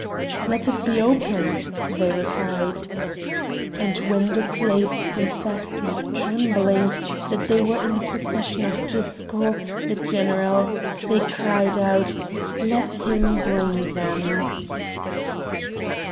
"Let it be opened!" they replied. And when the slaves confessed with trembling that they were in the possession of Gisco, the general, they cried out: "Let him bring them!"